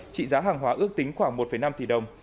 trị giá hàng hóa ước tính khoảng một năm tỷ đồng